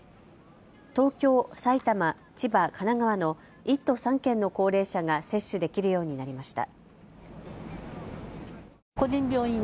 東京、埼玉、千葉、神奈川の１都３県の高齢者が接種できるようになりました。